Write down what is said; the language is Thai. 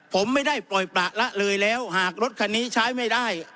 ผมไม่ได้ปล่อยประละเลยแล้วหากรถคันนี้ใช้ไม่ได้